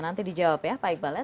nanti dijawab ya pak iqbal ya